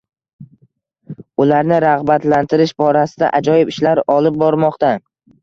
Ularni ragʻbatlantirish borasida ajoyib ishlar olib bormoqda.